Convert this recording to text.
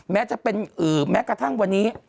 จะเป็นแม้กระทั่งวันนี้